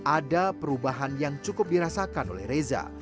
ada perubahan yang cukup dirasakan oleh reza